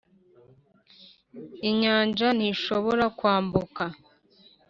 inyanja ntishobora kwambuka